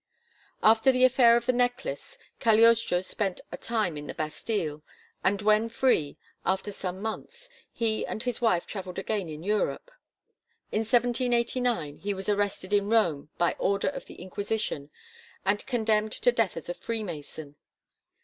After the affair of the Necklace, Cagliostro spent a time in the Bastille and when free, after some months, he and his wife travelled again in Europe. In 1789 he was arrested at Rome by order of the Inquisition and condemned to death as a Freemason.